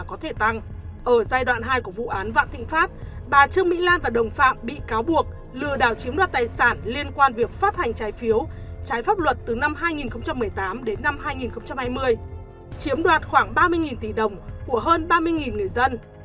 ở giai đoạn hai của vụ án vạn thịnh pháp bà trương mỹ lan và đồng phạm bị cáo buộc lừa đảo chiếm đoạt tài sản liên quan việc phát hành trái phiếu trái pháp luật từ năm hai nghìn một mươi tám đến năm hai nghìn hai mươi chiếm đoạt khoảng ba mươi tỷ đồng của hơn ba mươi người dân